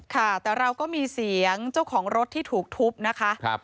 ค่ะแต่เราก็มีเสียงเจ้าของรถที่ถูกทุบนะคะ